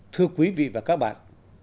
thưa quý vị và các bạn